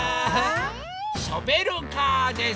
ショベルカーです！